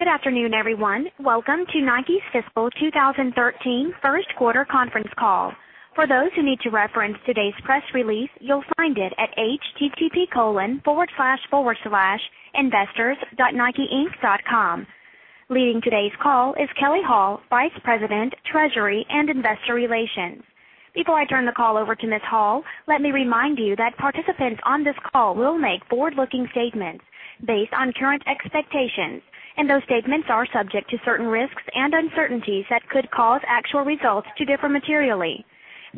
Good afternoon, everyone. Welcome to Nike's fiscal 2013 first quarter conference call. For those who need to reference today's press release, you'll find it at http://investors.nikeinc.com. Leading today's call is Kelley Hall, Vice President, Treasury and Investor Relations. Before I turn the call over to Ms. Hall, let me remind you that participants on this call will make forward-looking statements based on current expectations, and those statements are subject to certain risks and uncertainties that could cause actual results to differ materially.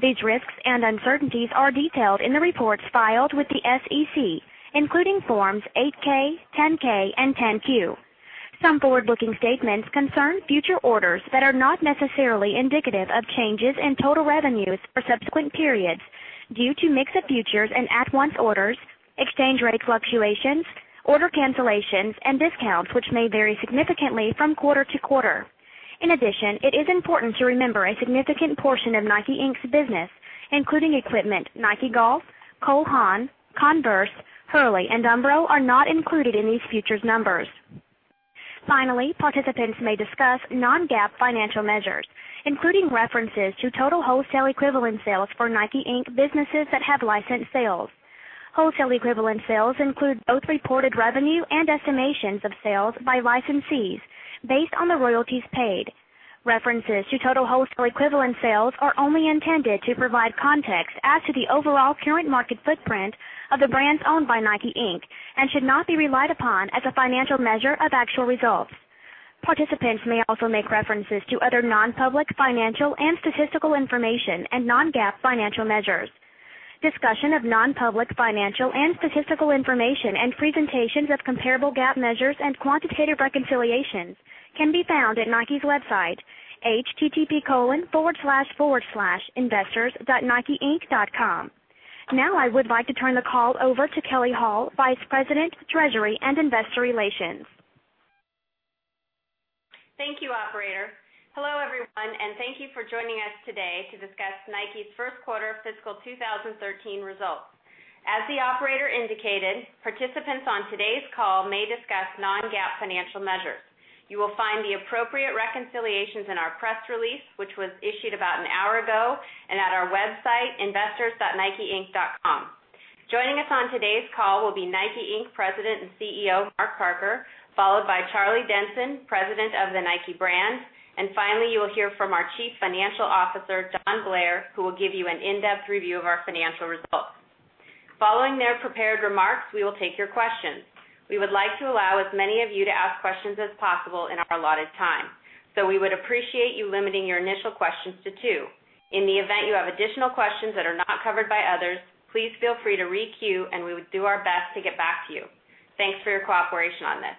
These risks and uncertainties are detailed in the reports filed with the SEC, including Forms 8-K, 10-K, and 10-Q. Some forward-looking statements concern future orders that are not necessarily indicative of changes in total revenues for subsequent periods due to mix of futures and at-once orders, exchange rate fluctuations, order cancellations, and discounts, which may vary significantly from quarter to quarter. In addition, it is important to remember a significant portion of NIKE, Inc.'s business, including equipment, Nike Golf, Cole Haan, Converse, Hurley, and Umbro, are not included in these futures numbers. Finally, participants may discuss non-GAAP financial measures, including references to total wholesale equivalent sales for NIKE, Inc. businesses that have licensed sales. Wholesale equivalent sales include both reported revenue and estimations of sales by licensees based on the royalties paid. References to total wholesale equivalent sales are only intended to provide context as to the overall current market footprint of the brands owned by NIKE, Inc., and should not be relied upon as a financial measure of actual results. Participants may also make references to other non-public financial and statistical information and non-GAAP financial measures. Discussion of non-public financial and statistical information and presentations of comparable GAAP measures and quantitative reconciliations can be found at Nike's website, http://investors.nikeinc.com. I would like to turn the call over to Kelley Hall, Vice President, Treasury and Investor Relations. Thank you, operator. Hello, everyone, and thank you for joining us today to discuss Nike's first quarter fiscal 2013 results. As the operator indicated, participants on today's call may discuss non-GAAP financial measures. You will find the appropriate reconciliations in our press release, which was issued about an hour ago, and at our website, investors.nikeinc.com. Joining us on today's call will be NIKE, Inc. President and CEO, Mark Parker, followed by Charlie Denson, President of the Nike brand, and finally, you will hear from our Chief Financial Officer, Don Blair, who will give you an in-depth review of our financial results. Following their prepared remarks, we will take your questions. We would like to allow as many of you to ask questions as possible in our allotted time. We would appreciate you limiting your initial questions to two. In the event you have additional questions that are not covered by others, please feel free to re-queue, and we would do our best to get back to you. Thanks for your cooperation on this.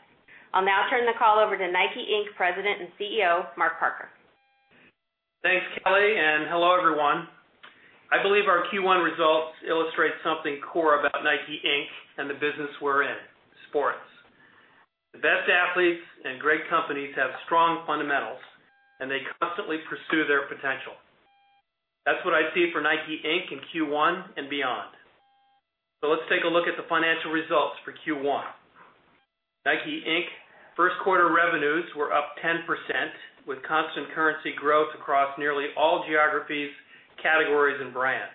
I'll now turn the call over to NIKE, Inc. President and CEO, Mark Parker. Thanks, Kelley, and hello, everyone. I believe our Q1 results illustrate something core about NIKE, Inc. and the business we're in, sports. The best athletes and great companies have strong fundamentals, and they constantly pursue their potential. That's what I see for NIKE, Inc. in Q1 and beyond. Let's take a look at the financial results for Q1. NIKE, Inc. first quarter revenues were up 10%, with constant currency growth across nearly all geographies, categories, and brands.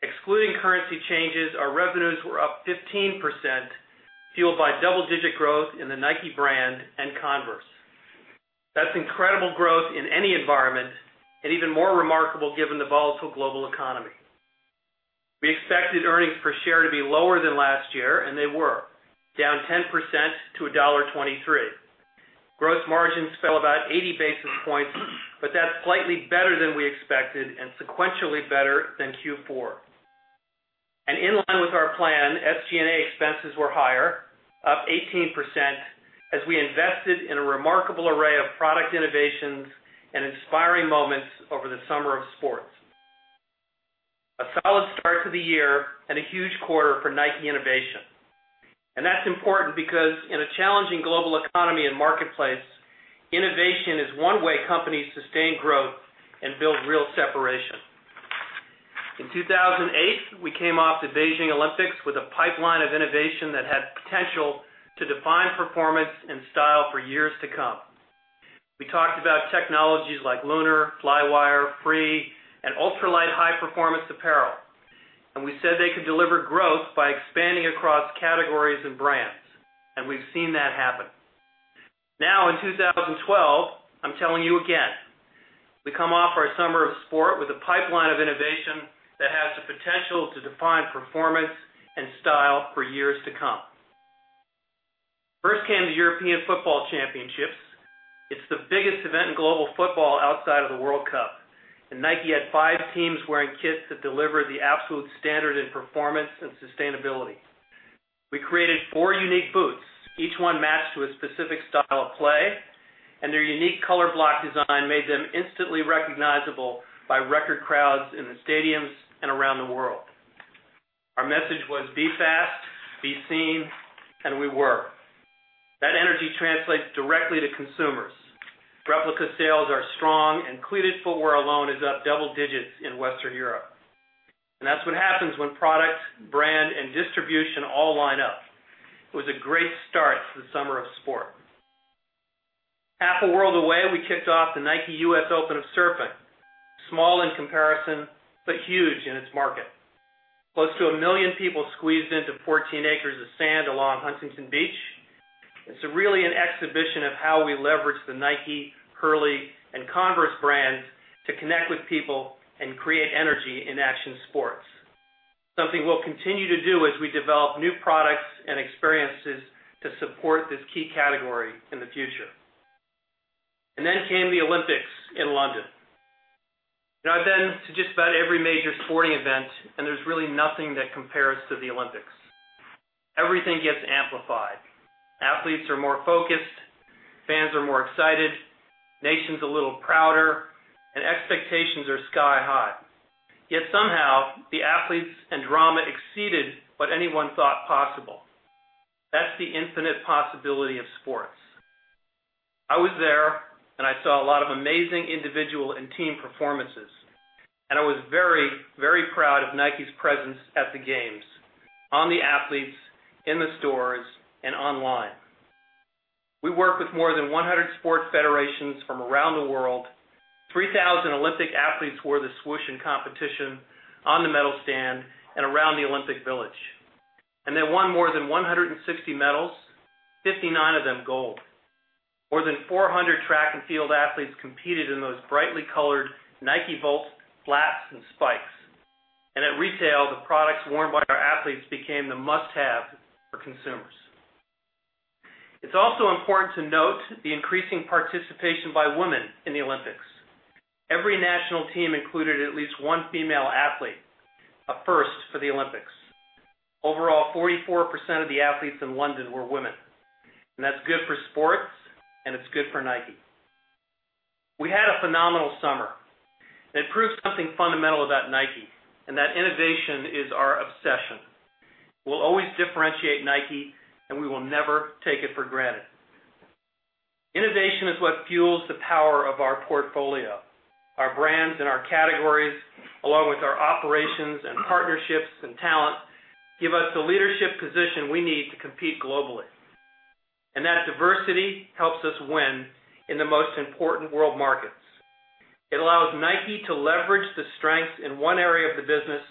Excluding currency changes, our revenues were up 15%, fueled by double-digit growth in the Nike brand and Converse. That's incredible growth in any environment and even more remarkable given the volatile global economy. We expected earnings per share to be lower than last year, and they were, down 10% to $1.23. Gross margins fell about 80 basis points, but that's slightly better than we expected and sequentially better than Q4. In line with our plan, SG&A expenses were higher, up 18%, as we invested in a remarkable array of product innovations and inspiring moments over the summer of sports. A solid start to the year and a huge quarter for Nike Innovation. That's important because in a challenging global economy and marketplace, innovation is one way companies sustain growth and build real separation. In 2008, we came off the Beijing Olympics with a pipeline of innovation that had potential to define performance and style for years to come. We talked about technologies like Lunar, Flywire, Free, and ultralight high-performance apparel, and we said they could deliver growth by expanding across categories and brands, and we've seen that happen. Now, in 2012, I'm telling you again, we come off our summer of sport with a pipeline of innovation that has the potential to define performance and style for years to come. First came the European Football Championships. It's the biggest event in global football outside of the World Cup, and Nike had five teams wearing kits that delivered the absolute standard in performance and sustainability. We created four unique boots, each one matched to a specific style of play, and their unique color block design made them instantly recognizable by record crowds in the stadiums and around the world. Our message was, "Be fast, be seen," and we were. That energy translates directly to consumers. Replica sales are strong and cleated footwear alone is up double digits in Western Europe. That's what happens when product, brand, and distribution all line up. It was a great start to the summer of sport. Half a world away, we kicked off the Nike U.S. Open of Surfing, small in comparison, but huge in its market. Close to 1 million people squeezed into 14 acres of sand along Huntington Beach. It's really an exhibition of how we leverage the Nike, Hurley, and Converse brands to connect with people and create energy in action sports. Something we'll continue to do as we develop new products and experiences to support this key category in the future. Came the Olympics in London. Now, I've been to just about every major sporting event, and there's really nothing that compares to the Olympics. Everything gets amplified. Athletes are more focused, fans are more excited, nations a little prouder, and expectations are sky high. Yet somehow the athletes and drama exceeded what anyone thought possible. That's the infinite possibility of sports. I was there and I saw a lot of amazing individual and team performances, and I was very, very proud of Nike's presence at the games, on the athletes, in the stores, and online. We work with more than 100 sports federations from around the world. 3,000 Olympic athletes wore the Swoosh in competition, on the medal stand, and around the Olympic Village. They won more than 160 medals, 59 of them gold. More than 400 track and field athletes competed in those brightly colored Nike Volt flats and spikes. At retail, the products worn by our athletes became the must-have for consumers. It's also important to note the increasing participation by women in the Olympics. Every national team included at least one female athlete, a first for the Olympics. Overall, 44% of the athletes in London were women. That's good for sports, and it's good for Nike. We had a phenomenal summer. It proved something fundamental about Nike, and that innovation is our obsession. We'll always differentiate Nike, and we will never take it for granted. Innovation is what fuels the power of our portfolio. Our brands and our categories, along with our operations and partnerships and talent, give us the leadership position we need to compete globally. That diversity helps us win in the most important world markets. It allows Nike to leverage the strengths in one area of the business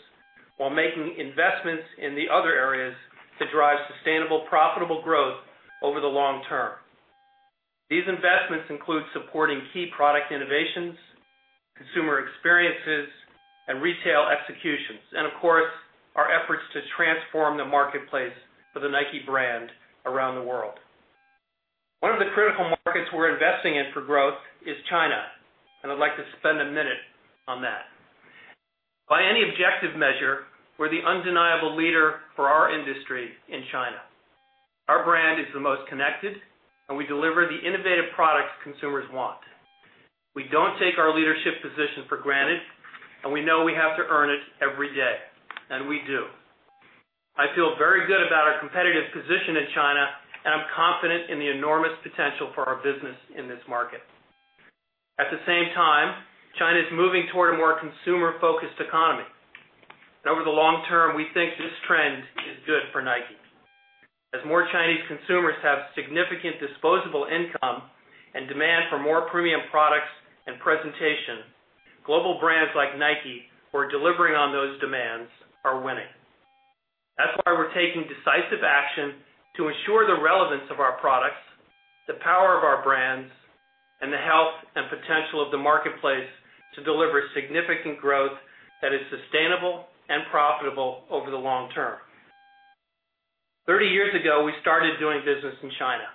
while making investments in the other areas to drive sustainable, profitable growth over the long term. These investments include supporting key product innovations, consumer experiences, and retail executions, and of course, our efforts to transform the marketplace for the Nike brand around the world. One of the critical markets we're investing in for growth is China, and I'd like to spend a minute on that. By any objective measure, we're the undeniable leader for our industry in China. Our brand is the most connected, and we deliver the innovative products consumers want. We don't take our leadership position for granted, and we know we have to earn it every day, and we do. I feel very good about our competitive position in China, and I'm confident in the enormous potential for our business in this market. At the same time, China's moving toward a more consumer-focused economy. Over the long term, we think this trend is good for Nike. As more Chinese consumers have significant disposable income and demand for more premium products and presentation, global brands like Nike who are delivering on those demands are winning. That's why we're taking decisive action to ensure the relevance of our products, the power of our brands, and the health and potential of the marketplace to deliver significant growth that is sustainable and profitable over the long term. 30 years ago, we started doing business in China.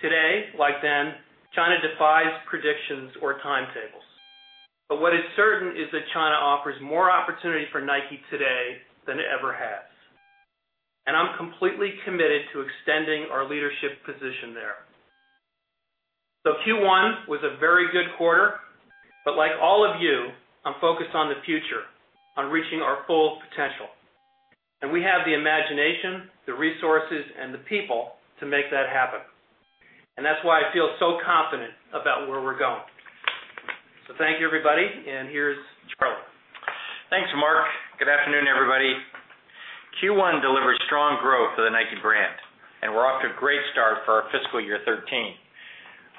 Today, like then, China defies predictions or timetables. What is certain is that China offers more opportunity for Nike today than it ever has. I'm completely committed to extending our leadership position there. Q1 was a very good quarter, but like all of you, I'm focused on the future, on reaching our full potential. We have the imagination, the resources, and the people to make that happen. That's why I feel so confident about where we're going. Thank you, everybody. Here's Charlie. Thanks, Mark. Good afternoon, everybody. Q1 delivered strong growth for the Nike brand, and we're off to a great start for our fiscal year 2013.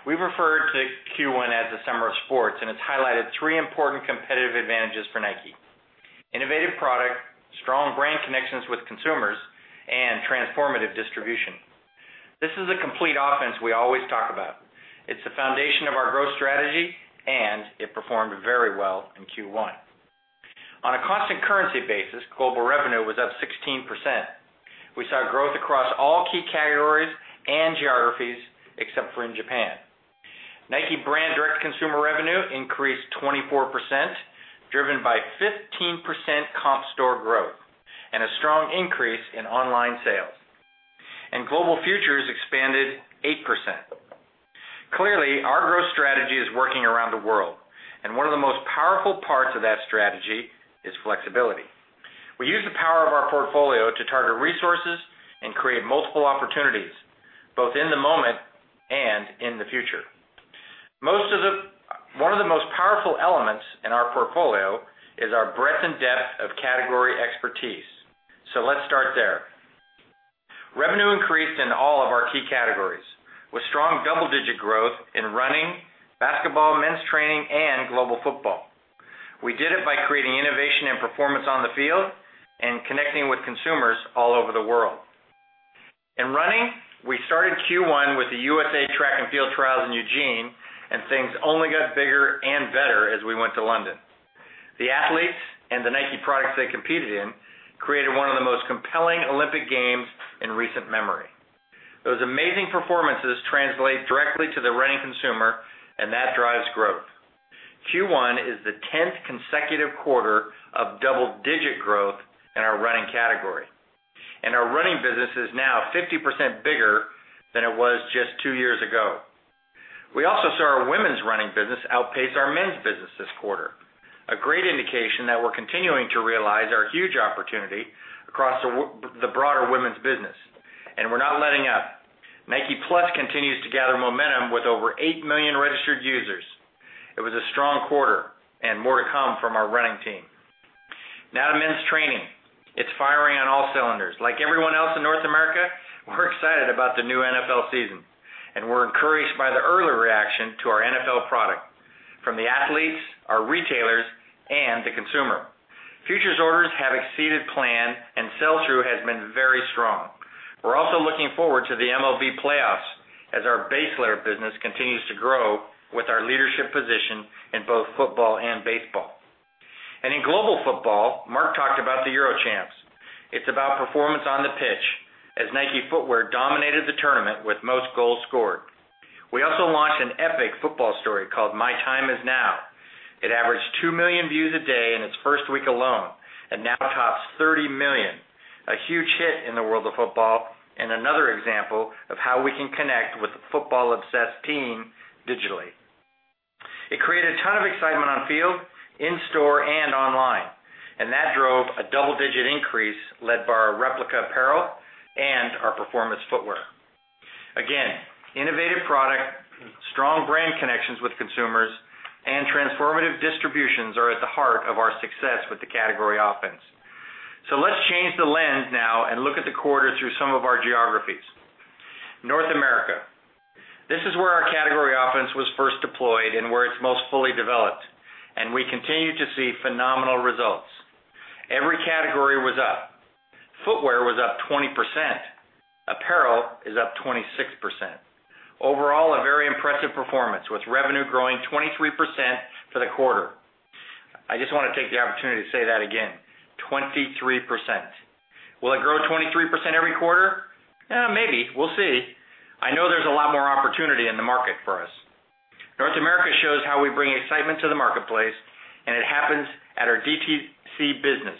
We refer to Q1 as the summer of sports, and it's highlighted three important competitive advantages for Nike: innovative product, strong brand connections with consumers, and transformative distribution. This is a complete offense we always talk about. It's the foundation of our growth strategy, and it performed very well in Q1. On a constant currency basis, global revenue was up 16%. We saw growth across all key categories and geographies except for in Japan. Nike brand direct-to-consumer revenue increased 24%, driven by 15% comp store growth and a strong increase in online sales. Global futures expanded 8%. Clearly, our growth strategy is working around the world, one of the most powerful parts of that strategy is flexibility. We use the power of our portfolio to target resources and create multiple opportunities, both in the moment and in the future. One of the most powerful elements in our portfolio is our breadth and depth of category expertise. Let's start there. Revenue increased in all of our key categories, with strong double-digit growth in running, basketball, men's training, and global football. We did it by creating innovation and performance on the field and connecting with consumers all over the world. In running, we started Q1 with the USA Track & Field Trials in Eugene, things only got bigger and better as we went to London. The athletes and the Nike products they competed in created one of the most compelling Olympic Games in recent memory. Those amazing performances translate directly to the running consumer, that drives growth. Q1 is the 10th consecutive quarter of double-digit growth in our running category, our running business is now 50% bigger than it was just two years ago. We also saw our women's running business outpace our men's business this quarter, a great indication that we're continuing to realize our huge opportunity across the broader women's business, we're not letting up. Nike+ continues to gather momentum with over 8 million registered users. It was a strong quarter, more to come from our running team. Now to men's training. It's firing on all cylinders. Like everyone else in North America, we're excited about the new NFL season, we're encouraged by the early reaction to our NFL product from the athletes, our retailers, and the consumer. Futures orders have exceeded plan and sell-through has been very strong. We're also looking forward to the MLB playoffs as our base layer business continues to grow with our leadership position in both football and baseball. In global football, Mark talked about the Euro Champs. It's about performance on the pitch as Nike footwear dominated the tournament with most goals scored. We also launched an epic football story called My Time Is Now. It averaged 2 million views a day in its first week alone and now tops 30 million, a huge hit in the world of football and another example of how we can connect with the football-obsessed team digitally. It created a ton of excitement on field, in store, and online, that drove a double-digit increase led by our replica apparel and our performance footwear. Innovative product, strong brand connections with consumers, and transformative distributions are at the heart of our success with the category offense. Let's change the lens now and look at the quarter through some of our geographies. North America. This is where our category offense was first deployed and where it's most fully developed, and we continue to see phenomenal results. Every category was up. Footwear was up 20%. Apparel is up 26%. Overall, a very impressive performance, with revenue growing 23% for the quarter. I just want to take the opportunity to say that again, 23%. Will it grow 23% every quarter? Maybe. We'll see. I know there's a lot more opportunity in the market for us. North America shows how we bring excitement to the marketplace, and it happens at our DTC business,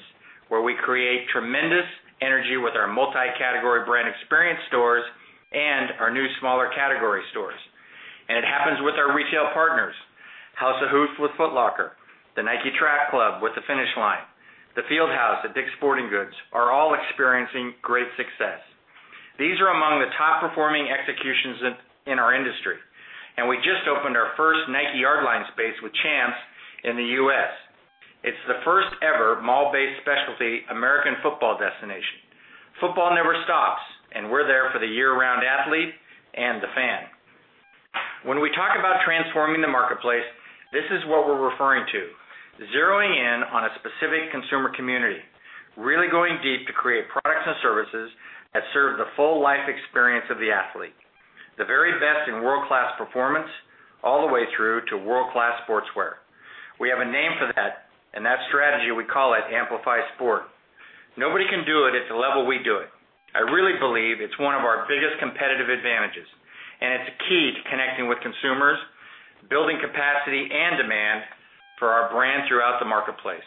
where we create tremendous energy with our multi-category brand experience stores and our new smaller category stores. It happens with our retail partners. House of Hoops with Foot Locker, the Nike Track Club with The Finish Line, the Field House at Dick's Sporting Goods are all experiencing great success. These are among the top-performing executions in our industry. We just opened our first Nike Yardline space with Champs in the U.S. It's the first ever mall-based specialty American football destination. Football never stops, and we're there for the year-round athlete and the fan. When we talk about transforming the marketplace, this is what we're referring to, zeroing in on a specific consumer community, really going deep to create products and services that serve the full life experience of the athlete. The very best in world-class performance all the way through to world-class sportswear. We have a name for that, and that strategy, we call it Amplify Sport. Nobody can do it at the level we do it. I really believe it's one of our biggest competitive advantages, and it's key to connecting with consumers, building capacity, and demand for our brand throughout the marketplace.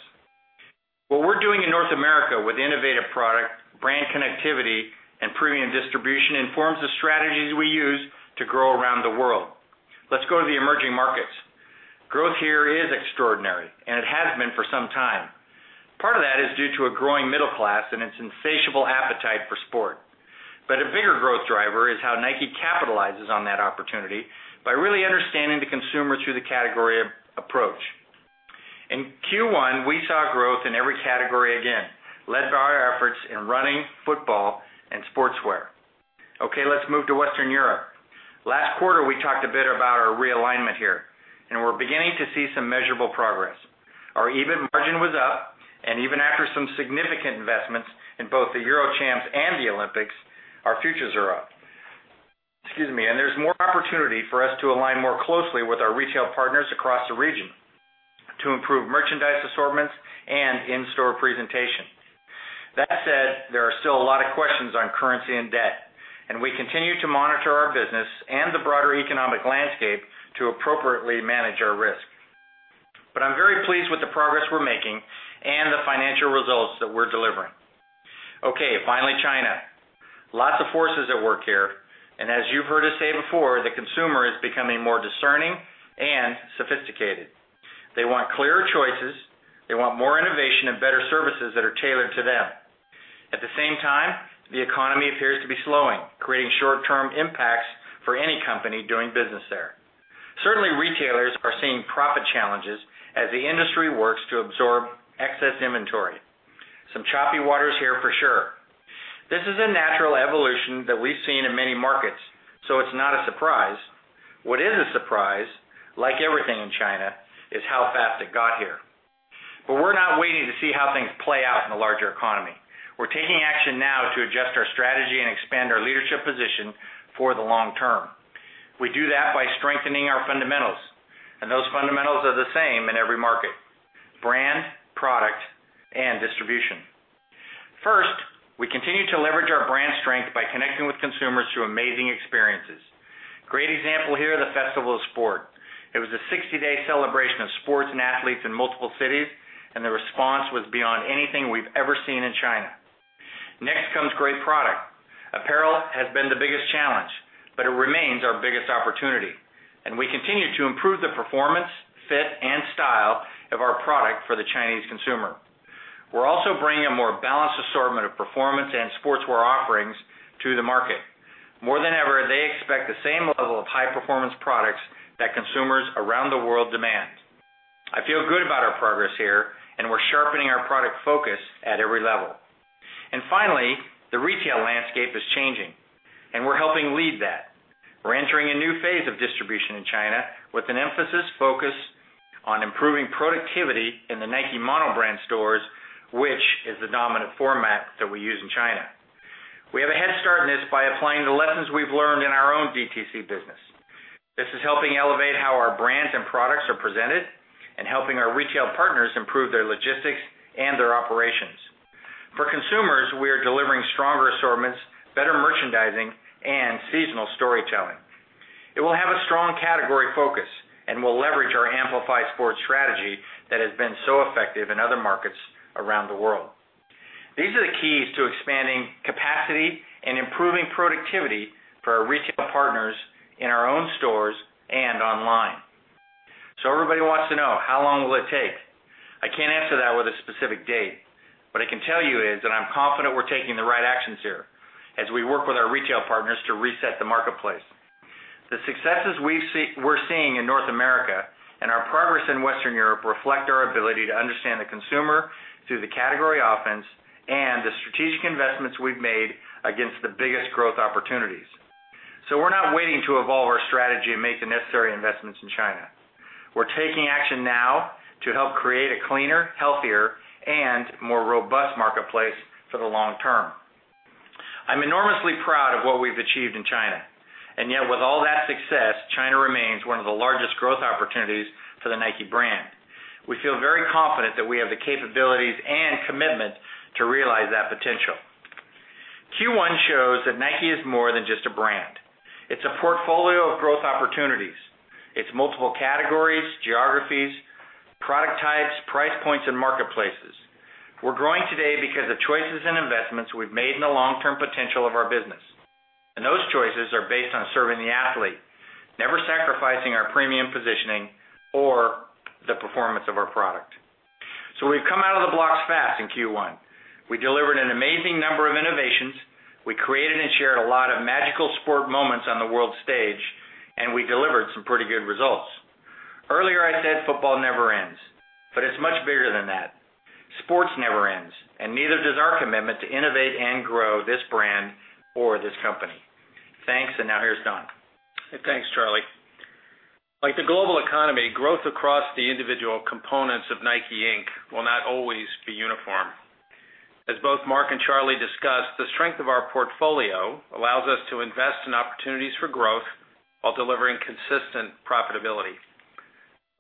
What we're doing in North America with innovative product, brand connectivity, and premium distribution informs the strategies we use to grow around the world. Let's go to the emerging markets. Growth here is extraordinary, and it has been for some time. Part of that is due to a growing middle class and its insatiable appetite for sport. A bigger growth driver is how Nike capitalizes on that opportunity by really understanding the consumer through the category approach. In Q1, we saw growth in every category again, led by our efforts in running, football, and sportswear. Let's move to Western Europe. Last quarter, we talked a bit about our realignment here, and we're beginning to see some measurable progress. Our EBIT margin was up. Even after some significant investments in both the Euro Champs and the Olympics, our futures are up. Excuse me. There's more opportunity for us to align more closely with our retail partners across the region to improve merchandise assortments and in-store presentation. That said, there are still a lot of questions on currency and debt. We continue to monitor our business and the broader economic landscape to appropriately manage our risk. I'm very pleased with the progress we're making and the financial results that we're delivering. Finally, China. Lots of forces at work here. As you've heard us say before, the consumer is becoming more discerning and sophisticated. They want clearer choices. They want more innovation and better services that are tailored to them. At the same time, the economy appears to be slowing, creating short-term impacts for any company doing business there. Certainly, retailers are seeing profit challenges as the industry works to absorb excess inventory. Some choppy waters here for sure. This is a natural evolution that we've seen in many markets, so it's not a surprise. What is a surprise, like everything in China, is how fast it got here. We're not waiting to see how things play out in the larger economy. We're taking action now to adjust our strategy and expand our leadership position for the long term. We do that by strengthening our fundamentals. Those fundamentals are the same in every market: brand, product, and distribution. First, we continue to leverage our brand strength by connecting with consumers through amazing experiences. Great example here, the Festival of Sport. It was a 60-day celebration of sports and athletes in multiple cities. The response was beyond anything we've ever seen in China. Next comes great product. Apparel has been the biggest challenge. It remains our biggest opportunity. We continue to improve the performance, fit, and style of our product for the Chinese consumer. We're also bringing a more balanced assortment of performance and sportswear offerings to the market. More than ever, they expect the same level of high-performance products that consumers around the world demand. I feel good about our progress here. We're sharpening our product focus at every level. Finally, the retail landscape is changing. We're helping lead that. We're entering a new phase of distribution in China with an emphasis focused on improving productivity in the Nike mono brand stores, which is the dominant format that we use in China. We have a head start in this by applying the lessons we've learned in our own DTC business. This is helping elevate how our brands and products are presented and helping our retail partners improve their logistics and their operations. For consumers, we are delivering stronger assortments, better merchandising, and seasonal storytelling. It will have a strong category focus and will leverage our Amplify Sport strategy that has been so effective in other markets around the world. These are the keys to expanding capacity and improving productivity for our retail partners in our own stores and online. Everybody wants to know, how long will it take? I can't answer that with a specific date. What I can tell you is that I'm confident we're taking the right actions here as we work with our retail partners to reset the marketplace. The successes we're seeing in North America and our progress in Western Europe reflect our ability to understand the consumer through the category offense and the strategic investments we've made against the biggest growth opportunities. We're not waiting to evolve our strategy and make the necessary investments in China. We're taking action now to help create a cleaner, healthier, and more robust marketplace for the long term. I'm enormously proud of what we've achieved in China, and yet with all that success, China remains one of the largest growth opportunities for the Nike brand. We feel very confident that we have the capabilities and commitment to realize that potential. Q1 shows that Nike is more than just a brand. It's a portfolio of growth opportunities. It's multiple categories, geographies, product types, price points, and marketplaces. We're growing today because the choices and investments we've made in the long-term potential of our business. Those choices are based on serving the athlete, never sacrificing our premium positioning or the performance of our product. We've come out of the blocks fast in Q1. We delivered an amazing number of innovations. We created and shared a lot of magical sport moments on the world stage, and we delivered some pretty good results. Earlier I said football never ends, but it's much bigger than that. Sports never ends, and neither does our commitment to innovate and grow this brand or this company. Thanks. Now here's Don. Thanks, Charlie. Like the global economy, growth across the individual components of NIKE, Inc. will not always be uniform. As both Mark and Charlie discussed, the strength of our portfolio allows us to invest in opportunities for growth while delivering consistent profitability.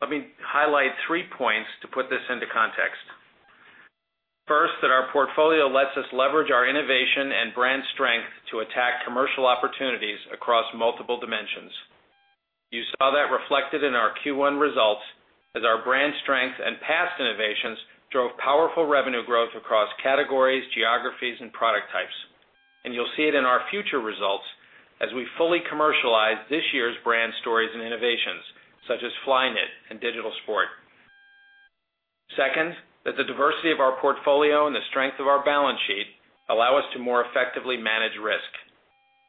Let me highlight three points to put this into context. First, that our portfolio lets us leverage our innovation and brand strength to attack commercial opportunities across multiple dimensions. You saw that reflected in our Q1 results as our brand strength and past innovations drove powerful revenue growth across categories, geographies, and product types. You'll see it in our future results as we fully commercialize this year's brand stories and innovations, such as Flyknit and Digital Sport. Second, that the diversity of our portfolio and the strength of our balance sheet allow us to more effectively manage risk.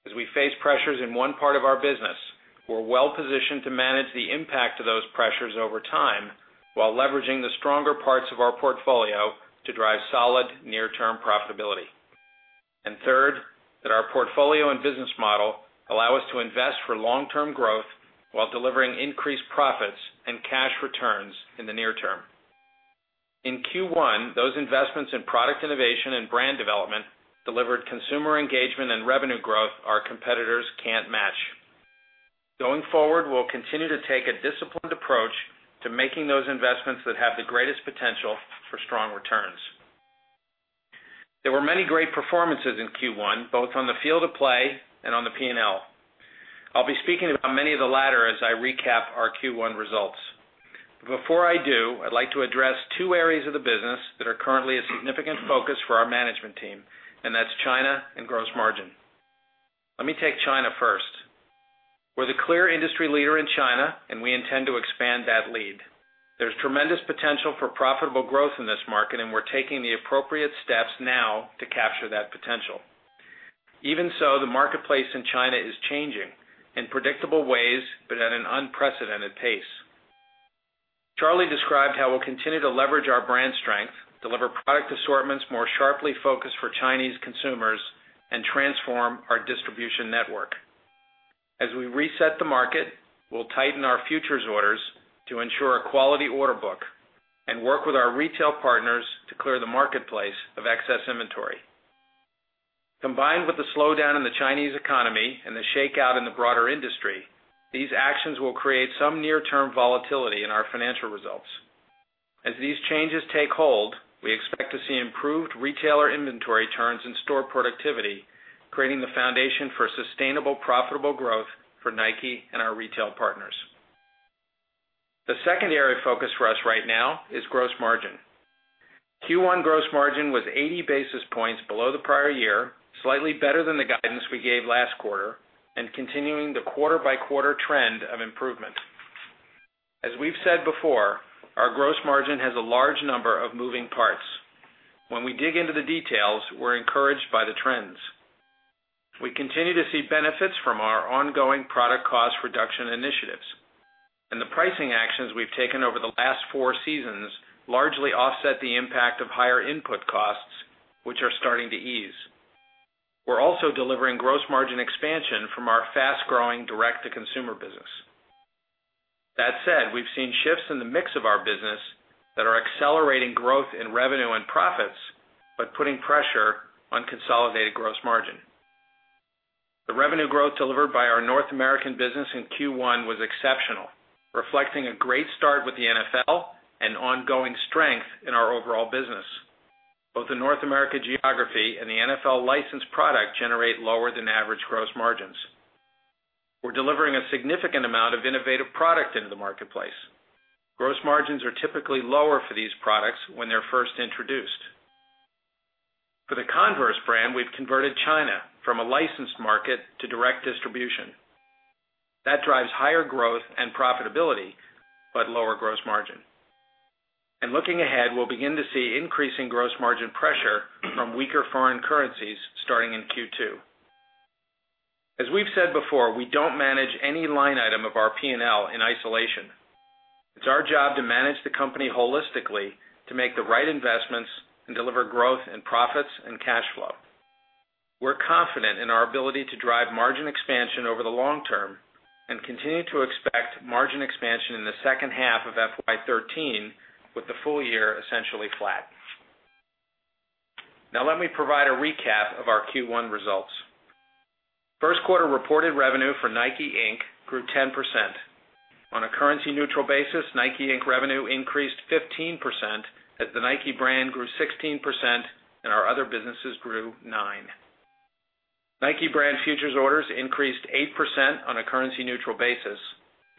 As we face pressures in one part of our business, we're well positioned to manage the impact of those pressures over time while leveraging the stronger parts of our portfolio to drive solid near-term profitability. Third, that our portfolio and business model allow us to invest for long-term growth while delivering increased profits and cash returns in the near term. In Q1, those investments in product innovation and brand development delivered consumer engagement and revenue growth our competitors can't match. Going forward, we'll continue to take a disciplined approach to making those investments that have the greatest potential for strong returns. There were many great performances in Q1, both on the field of play and on the P&L. I'll be speaking about many of the latter as I recap our Q1 results. Before I do, I'd like to address two areas of the business that are currently a significant focus for our management team, and that's China and gross margin. Let me take China first. We're the clear industry leader in China, and we intend to expand that lead. There's tremendous potential for profitable growth in this market, and we're taking the appropriate steps now to capture that potential. Even so, the marketplace in China is changing in predictable ways, but at an unprecedented pace. Charlie described how we'll continue to leverage our brand strength, deliver product assortments more sharply focused for Chinese consumers, and transform our distribution network. As we reset the market, we'll tighten our futures orders to ensure a quality order book and work with our retail partners to clear the marketplace of excess inventory. Combined with the slowdown in the Chinese economy and the shakeout in the broader industry, these actions will create some near-term volatility in our financial results. As these changes take hold, we expect to see improved retailer inventory turns and store productivity, creating the foundation for sustainable profitable growth for Nike and our retail partners. The second area of focus for us right now is gross margin. Q1 gross margin was 80 basis points below the prior year, slightly better than the guidance we gave last quarter and continuing the quarter-by-quarter trend of improvement. As we've said before, our gross margin has a large number of moving parts. When we dig into the details, we're encouraged by the trends. We continue to see benefits from our ongoing product cost reduction initiatives. The pricing actions we've taken over the last four seasons largely offset the impact of higher input costs, which are starting to ease. We're also delivering gross margin expansion from our fast-growing direct-to-consumer business. That said, we've seen shifts in the mix of our business that are accelerating growth in revenue and profits, but putting pressure on consolidated gross margin. The revenue growth delivered by our North American business in Q1 was exceptional, reflecting a great start with the NFL and ongoing strength in our overall business. Both the North America geography and the NFL licensed product generate lower than average gross margins. We're delivering a significant amount of innovative product into the marketplace. Gross margins are typically lower for these products when they're first introduced. For the Converse brand, we've converted China from a licensed market to direct distribution. That drives higher growth and profitability, but lower gross margin. Looking ahead, we'll begin to see increasing gross margin pressure from weaker foreign currencies starting in Q2. As we've said before, we don't manage any line item of our P&L in isolation. It's our job to manage the company holistically to make the right investments and deliver growth and profits and cash flow. We're confident in our ability to drive margin expansion over the long term and continue to expect margin expansion in the second half of FY 2013, with the full year essentially flat. Now, let me provide a recap of our Q1 results. First quarter reported revenue for NIKE, Inc. grew 10%. On a currency neutral basis, NIKE, Inc. revenue increased 15%, as the Nike brand grew 16% and our other businesses grew 9%. Nike brand futures orders increased 8% on a currency neutral basis,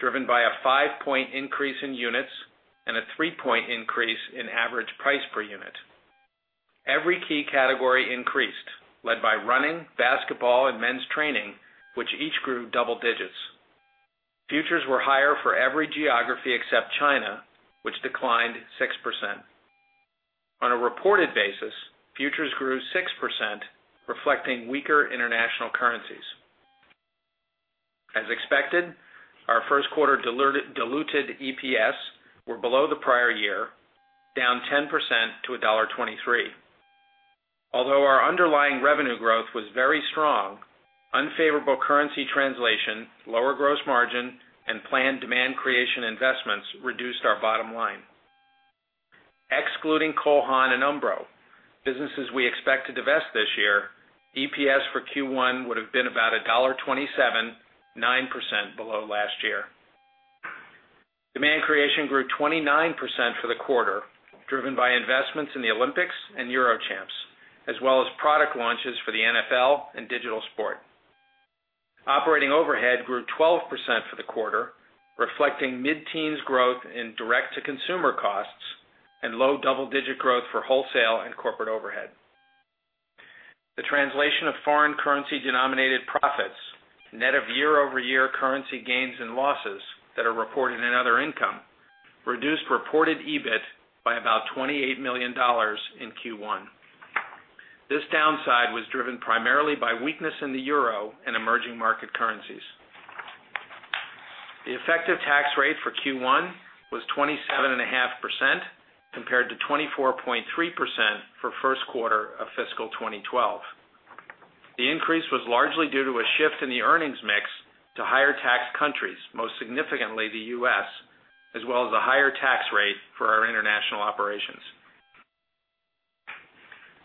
driven by a five-point increase in units and a three-point increase in average price per unit. Every key category increased, led by running, basketball, and men's training, which each grew double digits. Futures were higher for every geography except China, which declined 6%. On a reported basis, futures grew 6%, reflecting weaker international currencies. As expected, our first quarter diluted EPS were below the prior year, down 10% to $1.23. Although our underlying revenue growth was very strong, unfavorable currency translation, lower gross margin, and planned demand creation investments reduced our bottom line. Excluding Cole Haan and Umbro, businesses we expect to divest this year, EPS for Q1 would have been about $1.27, 9% below last year. Demand creation grew 29% for the quarter, driven by investments in the Olympics and Euro Champs, as well as product launches for the NFL and Digital Sport. Operating overhead grew 12% for the quarter, reflecting mid-teens growth in direct-to-consumer costs and low double-digit growth for wholesale and corporate overhead. The translation of foreign currency denominated profits, net of year-over-year currency gains and losses that are reported in other income, reduced reported EBIT by about $28 million in Q1. This downside was driven primarily by weakness in the euro and emerging market currencies. The effective tax rate for Q1 was 27.5%, compared to 24.3% for first quarter of fiscal 2012. The increase was largely due to a shift in the earnings mix to higher tax countries, most significantly the U.S., as well as a higher tax rate for our international operations.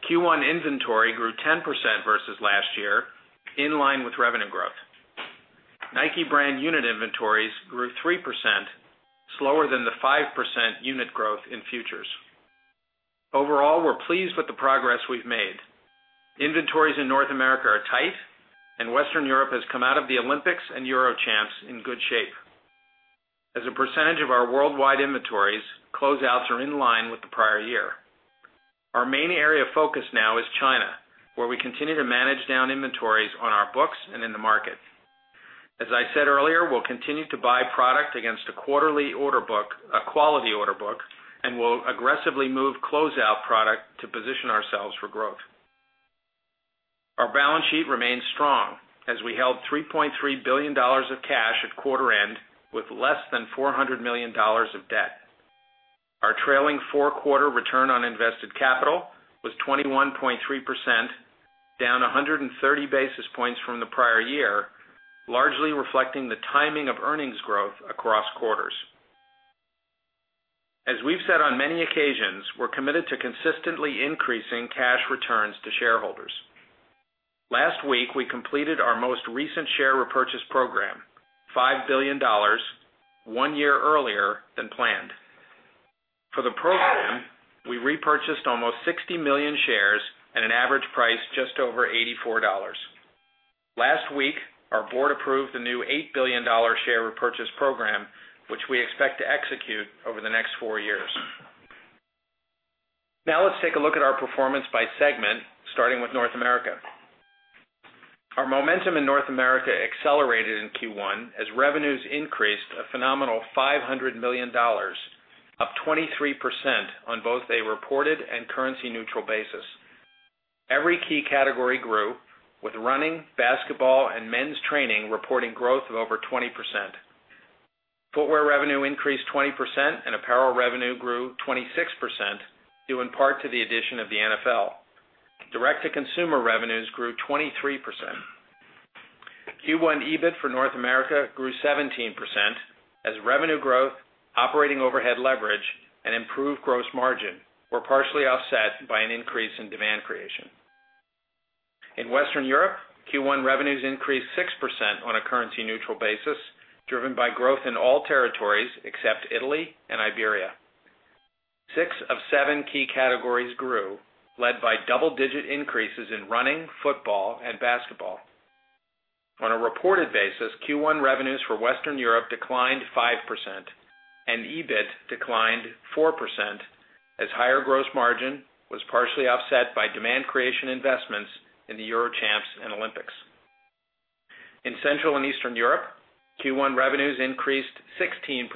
Q1 inventory grew 10% versus last year, in line with revenue growth. Nike brand unit inventories grew 3%, slower than the 5% unit growth in futures. Overall, we're pleased with the progress we've made. Inventories in North America are tight, and Western Europe has come out of the Olympics and Euro Champs in good shape. As a percentage of our worldwide inventories, closeouts are in line with the prior year. Our main area of focus now is China, where we continue to manage down inventories on our books and in the market. As I said earlier, we'll continue to buy product against a quality order book, and we'll aggressively move closeout product to position ourselves for growth. Our balance sheet remains strong as we held $3.3 billion of cash at quarter end, with less than $400 million of debt. Our trailing four-quarter return on invested capital was 21.3%, down 130 basis points from the prior year, largely reflecting the timing of earnings growth across quarters. As we've said on many occasions, we're committed to consistently increasing cash returns to shareholders. Last week, we completed our most recent share repurchase program, $5 billion, one year earlier than planned. For the program, we repurchased almost 60 million shares at an average price just over $84. Last week, our board approved the new $8 billion share repurchase program, which we expect to execute over the next four years. Now let's take a look at our performance by segment, starting with North America. Our momentum in North America accelerated in Q1 as revenues increased a phenomenal $500 million, up 23% on both a reported and currency-neutral basis. Every key category grew, with running, basketball, and men's training reporting growth of over 20%. Footwear revenue increased 20% and apparel revenue grew 26%, due in part to the addition of the NFL. Direct-to-consumer revenues grew 23%. Q1 EBIT for North America grew 17% as revenue growth, operating overhead leverage, and improved gross margin were partially offset by an increase in demand creation. In Western Europe, Q1 revenues increased 6% on a currency-neutral basis, driven by growth in all territories except Italy and Iberia. Six of seven key categories grew, led by double-digit increases in running, football, and basketball. On a reported basis, Q1 revenues for Western Europe declined 5% and EBIT declined 4%, as higher gross margin was partially offset by demand creation investments in the Euro Champs and Olympics. In Central and Eastern Europe, Q1 revenues increased 16%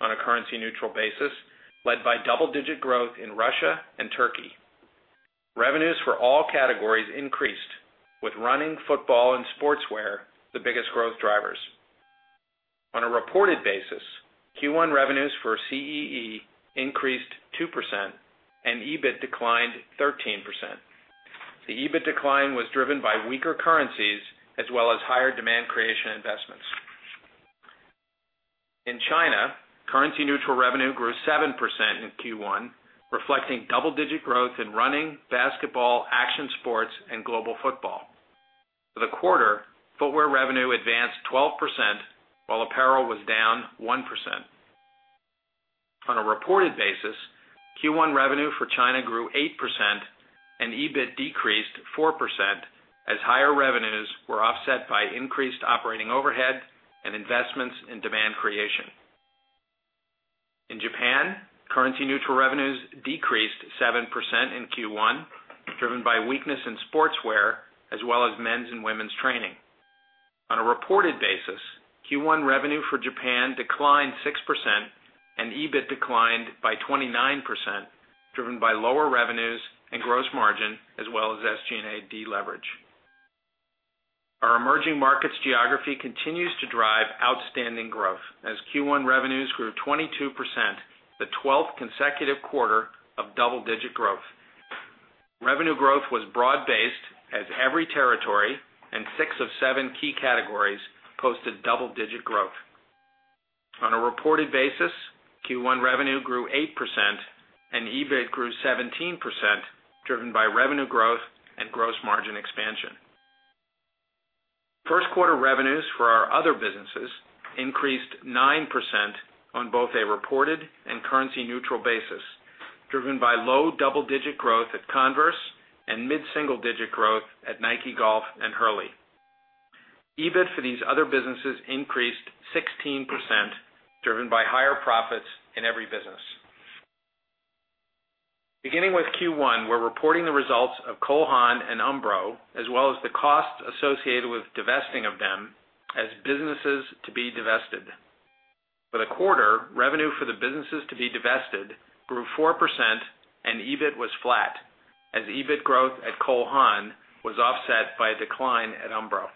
on a currency-neutral basis, led by double-digit growth in Russia and Turkey. Revenues for all categories increased, with running, football, and sportswear the biggest growth drivers. On a reported basis, Q1 revenues for CEE increased 2% and EBIT declined 13%. The EBIT decline was driven by weaker currencies as well as higher demand creation investments. In China, currency-neutral revenue grew 7% in Q1, reflecting double-digit growth in running, basketball, action sports, and global football. For the quarter, footwear revenue advanced 12%, while apparel was down 1%. On a reported basis, Q1 revenue for China grew 8% and EBIT decreased 4%, as higher revenues were offset by increased operating overhead and investments in demand creation. In Japan, currency-neutral revenues decreased 7% in Q1, driven by weakness in sportswear as well as men's and women's training. On a reported basis, Q1 revenue for Japan declined 6% and EBIT declined by 29%, driven by lower revenues and gross margin, as well as SG&A deleverage. Our emerging markets geography continues to drive outstanding growth as Q1 revenues grew 22%, the 12th consecutive quarter of double-digit growth. Revenue growth was broad-based as every territory and six of seven key categories posted double-digit growth. On a reported basis, Q1 revenue grew 8% and EBIT grew 17%, driven by revenue growth and gross margin expansion. First quarter revenues for our other businesses increased 9% on both a reported and currency-neutral basis, driven by low double-digit growth at Converse and mid-single-digit growth at Nike Golf and Hurley. EBIT for these other businesses increased 16%, driven by higher profits in every business. Beginning with Q1, we're reporting the results of Cole Haan and Umbro, as well as the cost associated with divesting of them, as businesses to be divested. For the quarter, revenue for the businesses to be divested grew 4% and EBIT was flat as EBIT growth at Cole Haan was offset by a decline at Umbro.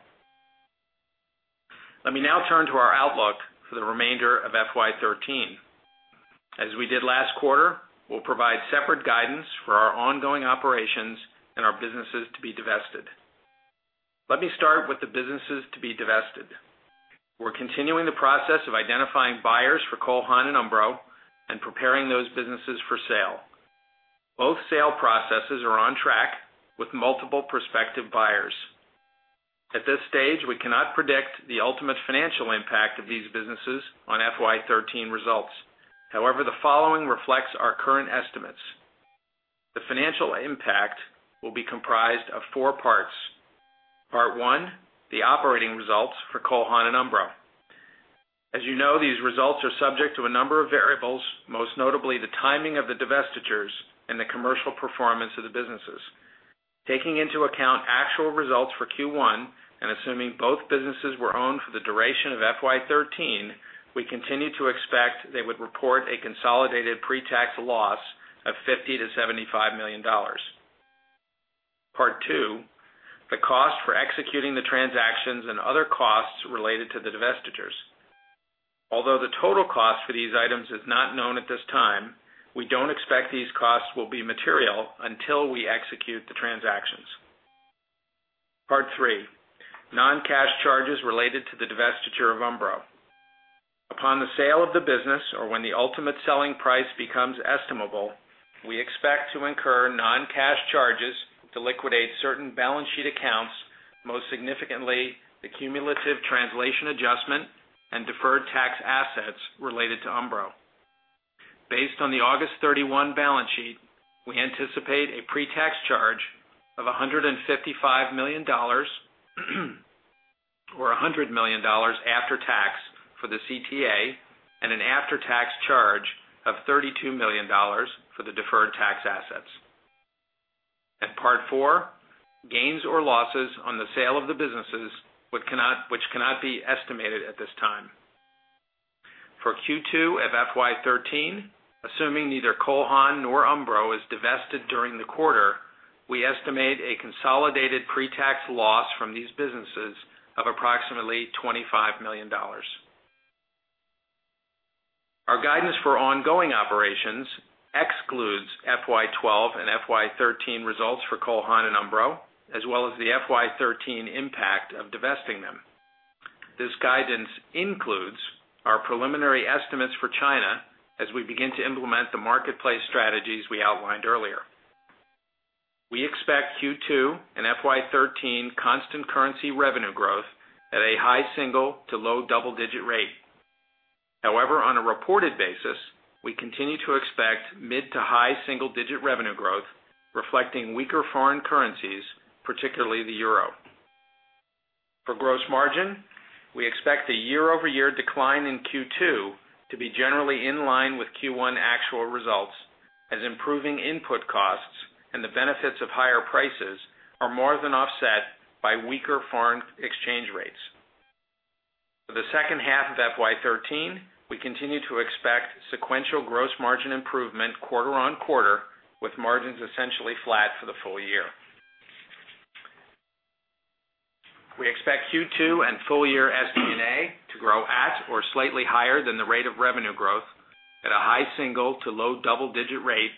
Let me now turn to our outlook for the remainder of FY 2013. As we did last quarter, we'll provide separate guidance for our ongoing operations and our businesses to be divested. Let me start with the businesses to be divested. We're continuing the process of identifying buyers for Cole Haan and Umbro and preparing those businesses for sale. Both sale processes are on track with multiple prospective buyers. At this stage, we cannot predict the ultimate financial impact of these businesses on FY 2013 results. However, the following reflects our current estimates. The financial impact will be comprised of four parts. Part one, the operating results for Cole Haan and Umbro. As you know, these results are subject to a number of variables, most notably the timing of the divestitures and the commercial performance of the businesses. Taking into account actual results for Q1, and assuming both businesses were owned for the duration of FY 2013, we continue to expect they would report a consolidated pre-tax loss of $50 million-$75 million. Part two, the cost for executing the transactions and other costs related to the divestitures. Although the total cost for these items is not known at this time, we don't expect these costs will be material until we execute the transactions. Part three, non-cash charges related to the divestiture of Umbro. Upon the sale of the business or when the ultimate selling price becomes estimable, we expect to incur non-cash charges to liquidate certain balance sheet accounts, most significantly the cumulative translation adjustment and deferred tax assets related to Umbro. Based on the August 31 balance sheet, we anticipate a pre-tax charge of $155 million, or $100 million after tax for the CTA, and an after-tax charge of $32 million for the deferred tax assets. Part four, gains or losses on the sale of the businesses, which cannot be estimated at this time. For Q2 of FY 2013, assuming neither Cole Haan nor Umbro is divested during the quarter, we estimate a consolidated pre-tax loss from these businesses of approximately $25 million. Our guidance for ongoing operations excludes FY 2012 and FY 2013 results for Cole Haan and Umbro, as well as the FY 2013 impact of divesting them. This guidance includes our preliminary estimates for China as we begin to implement the marketplace strategies we outlined earlier. We expect Q2 and FY 2013 constant currency revenue growth at a high single- to low double-digit rate. However, on a reported basis, we continue to expect mid- to high single-digit revenue growth, reflecting weaker foreign currencies, particularly the euro. For gross margin, we expect the year-over-year decline in Q2 to be generally in line with Q1 actual results, as improving input costs and the benefits of higher prices are more than offset by weaker foreign exchange rates. For the second half of FY 2013, we continue to expect sequential gross margin improvement quarter-on-quarter, with margins essentially flat for the full year. We expect Q2 and full-year SG&A to grow at or slightly higher than the rate of revenue growth at a high single- to low double-digit rate,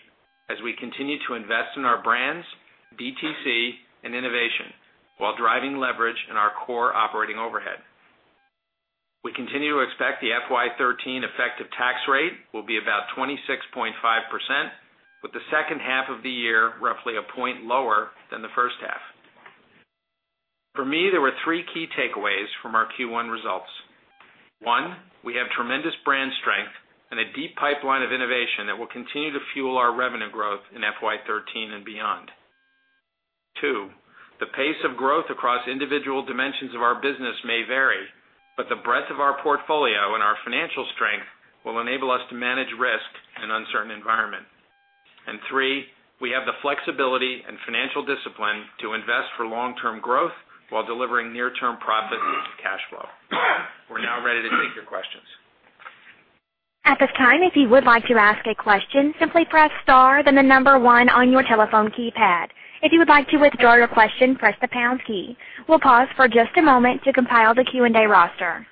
as we continue to invest in our brands, DTC, and innovation while driving leverage in our core operating overhead. We continue to expect the FY 2013 effective tax rate will be about 26.5%, with the second half of the year roughly a point lower than the first half. For me, there were three key takeaways from our Q1 results. One, we have tremendous brand strength and a deep pipeline of innovation that will continue to fuel our revenue growth in FY 2013 and beyond. Two, the pace of growth across individual dimensions of our business may vary, but the breadth of our portfolio and our financial strength will enable us to manage risk in an uncertain environment. Three, we have the flexibility and financial discipline to invest for long-term growth while delivering near-term profit and cash flow. We're now ready to take your questions. At this time, if you would like to ask a question, simply press star then the number one on your telephone keypad. If you would like to withdraw your question, press the pound key. We'll pause for just a moment to compile the Q&A roster.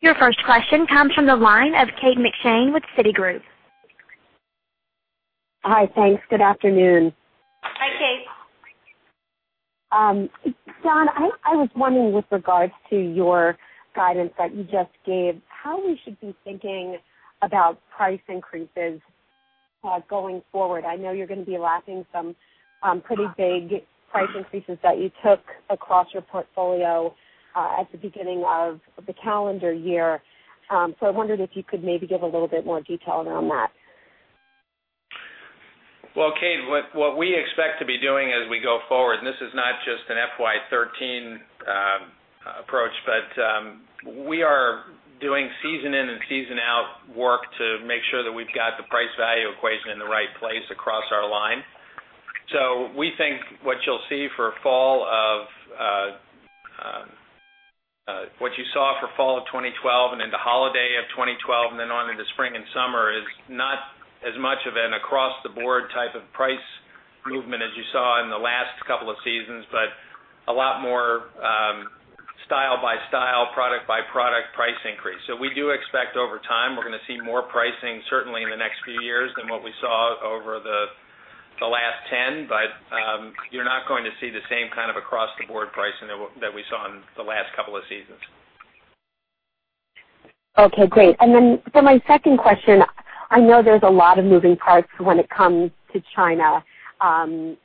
Your first question comes from the line of Kate McShane with Citigroup. Hi, thanks. Good afternoon. Hi, Kate. Don, I was wondering with regards to your guidance that you just gave, how we should be thinking about price increases, going forward. I know you're going to be lacking some pretty big price increases that you took across your portfolio at the beginning of the calendar year. I wondered if you could maybe give a little bit more detail around that. Kate, what we expect to be doing as we go forward, and this is not just an FY 2013 approach, but we are doing season in and season out work to make sure that we've got the price-value equation in the right place across our line. We think what you saw for fall of 2012 and into holiday of 2012 and then on into spring and summer, is not as much of an across-the-board type of price movement as you saw in the last couple of seasons, but a lot more, style by style, product by product price increase. We do expect over time, we're going to see more pricing, certainly in the next few years than what we saw over the last 10. You're not going to see the same kind of across-the-board pricing that we saw in the last couple of seasons. Okay, great. Then for my second question, I know there's a lot of moving parts when it comes to China,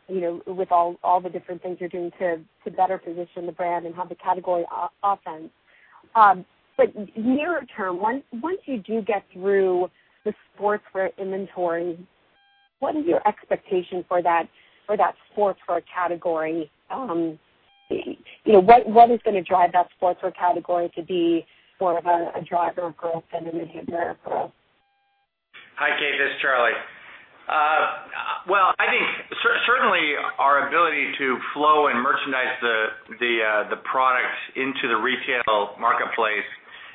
with all the different things you're doing to better position the brand and have the category offense. Nearer term, once you do get through the sportswear inventory, what is your expectation for that sportswear category? What is going to drive that sportswear category to be more of a driver of growth than it has been before? Hi, Kate. This is Charlie. Well, I think certainly our ability to flow and merchandise the products into the retail marketplace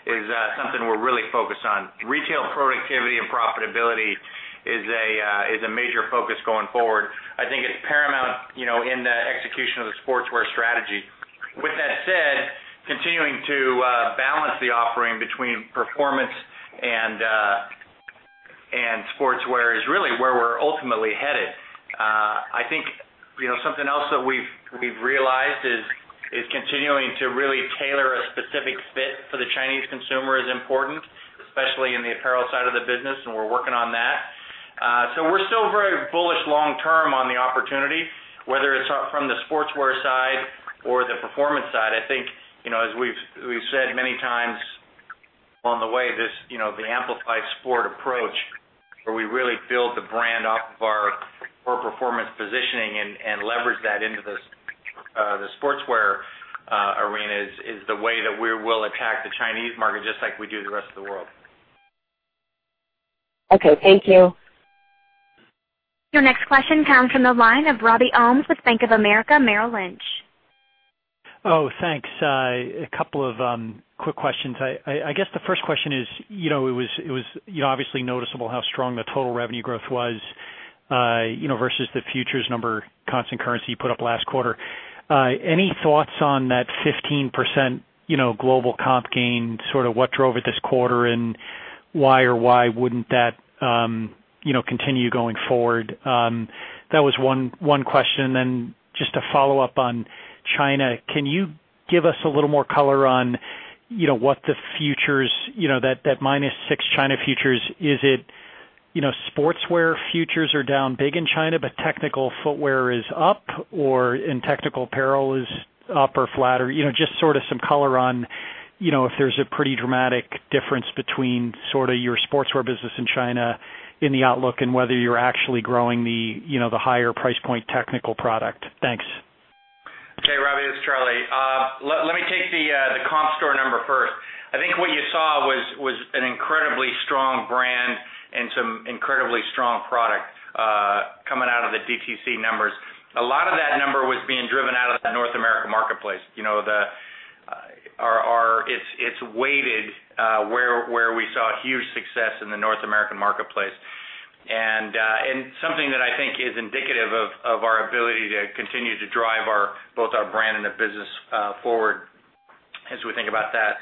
is something we're really focused on. Retail productivity and profitability is a major focus going forward. I think it's paramount in the execution of the sportswear strategy. With that said, continuing to balance the offering between performance and sportswear is really where we're ultimately headed. I think something else that we've realized is continuing to really tailor a specific fit for the Chinese consumer is important, especially in the apparel side of the business, and we're working on that. We're still very bullish long term on the opportunity, whether it's from the sportswear side or the performance side. I think, as we've said many times on the way, the Amplify Sport approach, where we really build the brand off of our core performance positioning and leverage that into the sportswear arena is the way that we will attack the Chinese market just like we do the rest of the world. Okay, thank you. Your next question comes from the line of Robert Ohmes with Bank of America Merrill Lynch. Thanks. A couple of quick questions. I guess the first question is, it was obviously noticeable how strong the total revenue growth was versus the futures number constant currency you put up last quarter. Any thoughts on that 15% global comp gain, sort of what drove it this quarter, and why or why wouldn't that continue going forward? That was one question. Just to follow up on China, can you give us a little more color on what the futures, that -6 China futures, is it sportswear futures are down big in China, but technical footwear is up or, and technical apparel is up or flat? Just sort of some color on if there's a pretty dramatic difference between sort of your sportswear business in China in the outlook, and whether you're actually growing the higher price point technical product. Thanks. Okay, Robbie, it's Charlie. Let me take the comp store number first. I think what you saw was an incredibly strong brand and some incredibly strong product coming out of the DTC numbers. A lot of that number was being driven out of the North American marketplace. It's weighted where we saw huge success in the North American marketplace. Something that I think is indicative of our ability to continue to drive both our brand and the business forward as we think about that.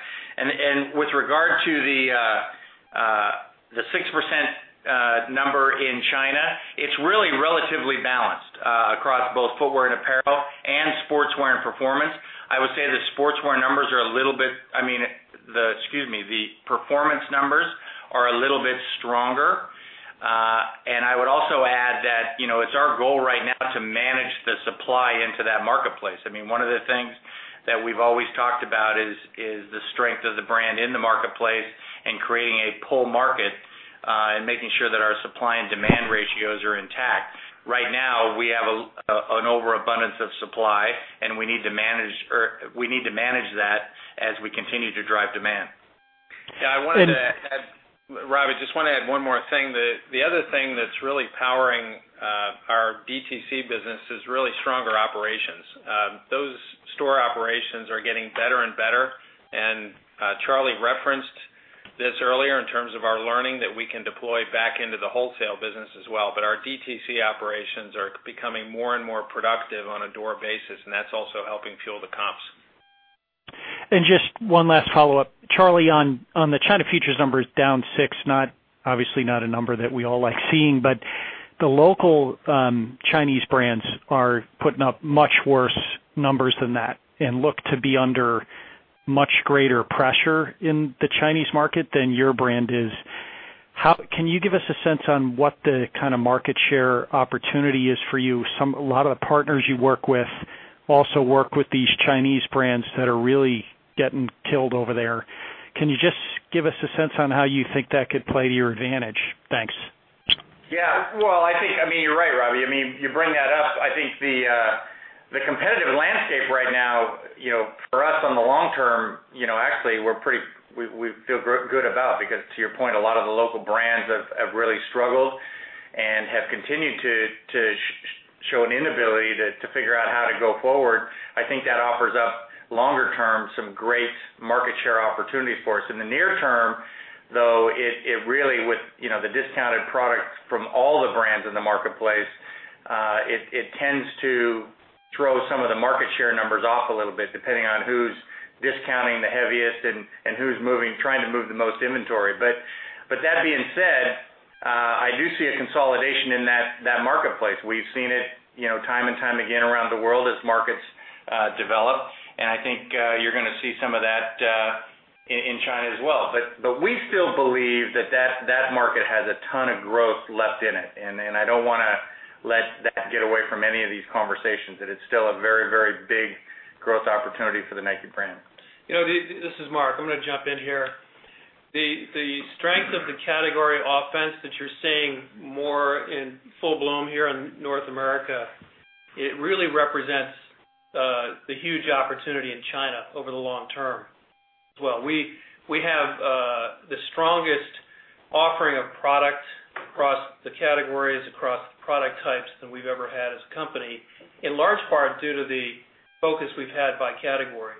With regard to the 6% number in China, it's really relatively balanced across both footwear and apparel and sportswear and performance. I would say the sportswear numbers are a little bit, excuse me, the performance numbers are a little bit stronger. I would also add that it's our goal right now to manage the supply into that marketplace. One of the things that we've always talked about is the strength of the brand in the marketplace and creating a pull market, and making sure that our supply and demand ratios are intact. Right now, we have an overabundance of supply, and we need to manage that as we continue to drive demand. Yeah, I wanted to add, Robbie, just want to add one more thing. The other thing that's really powering our DTC business is really stronger operations. Those store operations are getting better and better, Charlie referenced this earlier in terms of our learning that we can deploy back into the wholesale business as well. Our DTC operations are becoming more and more productive on a door basis, and that's also helping fuel the comps. Just one last follow-up. Charlie, on the China futures numbers down six, obviously not a number that we all like seeing, but the local Chinese brands are putting up much worse numbers than that and look to be under much greater pressure in the Chinese market than your brand is. Can you give us a sense on what the kind of market share opportunity is for you? A lot of the partners you work with also work with these Chinese brands that are really getting killed over there. Can you just give us a sense on how you think that could play to your advantage? Thanks. Yeah. Well, I think you're right, Robbie. You bring that up. I think the competitive landscape right now, for us on the long term, actually, we feel good about because to your point, a lot of the local brands have really struggled and have continued to show an inability to figure out how to go forward. I think that offers up longer term, some great market share opportunities for us. In the near term, though, it really with the discounted products from all the brands in the marketplace, it tends to throw some of the market share numbers off a little bit, depending on who's discounting the heaviest and who's trying to move the most inventory. That being said, I do see a consolidation in that marketplace. We've seen it time and time again around the world as markets develop, I think you're going to see some of that in China as well. We still believe that market has a ton of growth left in it, I don't want to let that get away from any of these conversations. That it's still a very, very big growth opportunity for the Nike brand. This is Mark. I'm going to jump in here. The strength of the category offense that you're seeing more in full bloom here in North America, it really represents the huge opportunity in China over the long term as well. We have the strongest offering of product across the categories, across the product types than we've ever had as a company, in large part due to the focus we've had by category.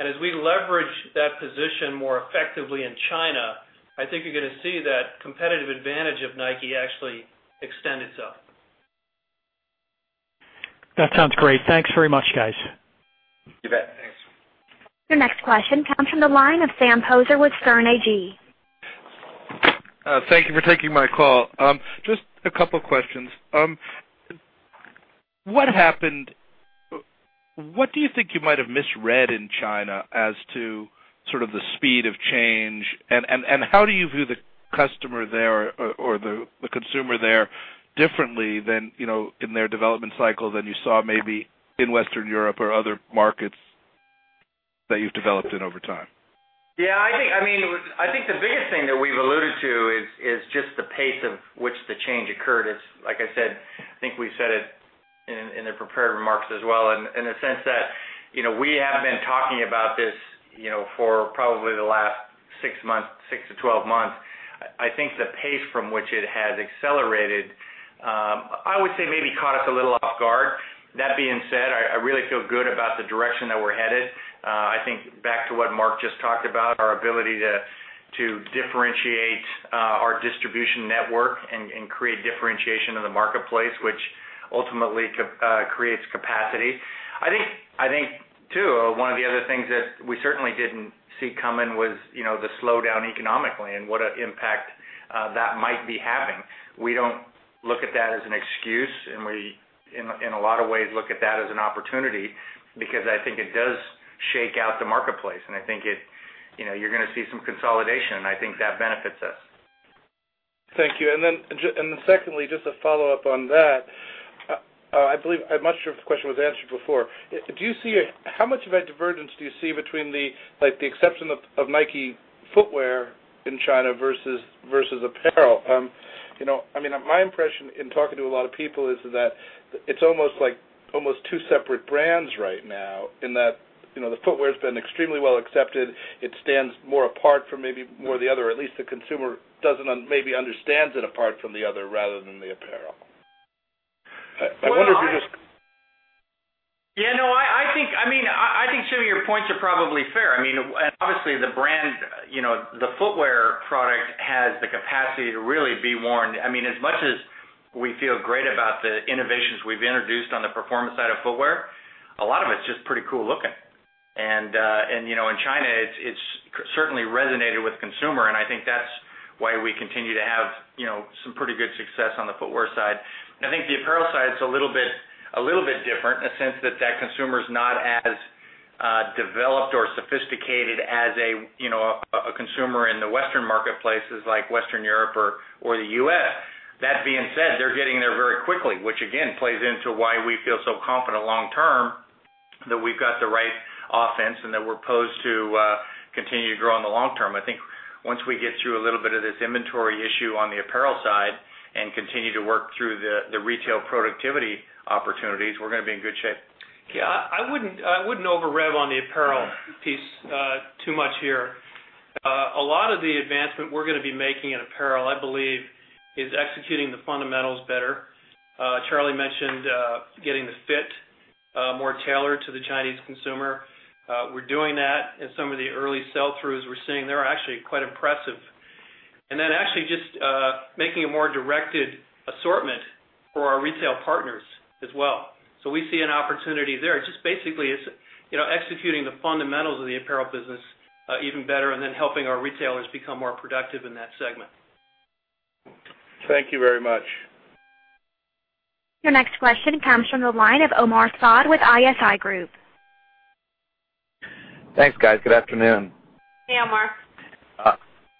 As we leverage that position more effectively in China, I think you're going to see that competitive advantage of Nike actually extend itself. That sounds great. Thanks very much, guys. You bet. Thanks. Your next question comes from the line of Sam Poser with Sterne Agee. Thank you for taking my call. Just a couple questions. What do you think you might have misread in China as to sort of the speed of change? How do you view the customer there or the consumer there differently than, in their development cycle than you saw maybe in Western Europe or other markets that you've developed in over time? Yeah. I think the biggest thing that we've alluded to is just the pace of which the change occurred is, like I said, I think we said it in the prepared remarks as well, in a sense that we have been talking about this for probably the last six to 12 months. I think the pace from which it has accelerated, I would say maybe caught us a little off guard. That being said, I really feel good about the direction that we're headed. I think back to what Mark just talked about, our ability to differentiate our distribution network and create differentiation in the marketplace, which ultimately creates capacity. I think too, one of the other things that we certainly didn't see coming was the slowdown economically and what impact that might be having. We don't look at that as an excuse, we, in a lot of ways, look at that as an opportunity because I think it does shake out the marketplace, I think you're going to see some consolidation, I think that benefits us. Thank you. Secondly, just to follow up on that, I'm not sure if the question was answered before. How much of a divergence do you see between the, like the reception of Nike footwear in China versus apparel? My impression in talking to a lot of people is that it's almost two separate brands right now in that, the footwear has been extremely well accepted. It stands more apart from maybe more the other, at least the consumer maybe understands it apart from the other, rather than the apparel. I wonder if you just- Yeah, no, I think some of your points are probably fair. Obviously, the footwear product has the capacity to really be worn. As much as we feel great about the innovations we've introduced on the performance side of footwear, a lot of it's just pretty cool looking. In China, it's certainly resonated with consumer, and I think that's why we continue to have some pretty good success on the footwear side. I think the apparel side is a little bit different in the sense that that consumer's not as developed or sophisticated as a consumer in the Western marketplaces like Western Europe or the U.S. That being said, they're getting there very quickly, which again, plays into why we feel so confident long term that we've got the right offense and that we're posed to continue to grow in the long term. I think once we get through a little bit of this inventory issue on the apparel side and continue to work through the retail productivity opportunities, we're going to be in good shape. Yeah, I wouldn't over rev on the apparel piece too much here. A lot of the advancement we're going to be making in apparel, I believe, is executing the fundamentals better. Charlie mentioned getting the fit more tailored to the Chinese consumer. We're doing that. Some of the early sell-throughs we're seeing there are actually quite impressive. Actually just making a more directed assortment for our retail partners as well. We see an opportunity there. It just basically is executing the fundamentals of the apparel business even better and then helping our retailers become more productive in that segment. Thank you very much. Your next question comes from the line of Omar Saad with ISI Group. Thanks, guys. Good afternoon. Hey, Omar.